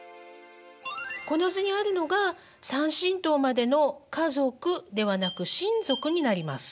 この図にあるのが３親等までの「家族」ではなく「親族」になります。